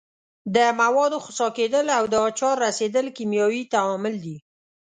د موادو خسا کیدل او د آچار رسیدل کیمیاوي تعامل دي.